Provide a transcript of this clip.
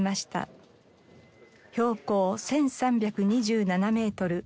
標高１３２７メートル。